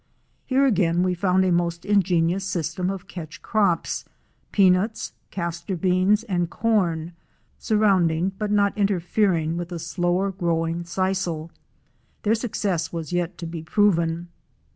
Here again we found a most ingenious system of catch crops, peanuts, castor beans and corn, surrounding but not interfering with the slower growing sisel. Their success was yet to be proven.